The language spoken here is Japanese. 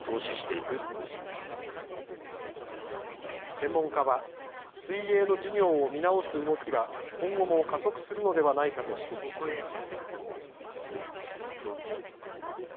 専門家は、水泳の授業を見直す動きは今後も加速するのではないかと指摘しています。